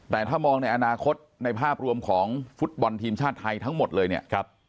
แต่ถ้ามองในอนาคตในภาพรวมของฟุตบอลทีมชาติไทยทั้งหมดเลยเนี่ย